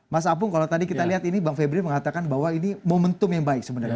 mas apung kalau tadi kita lihat ini bang febri mengatakan bahwa ini momentum yang baik sebenarnya